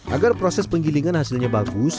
agar proses penggilingan hasilnya bagus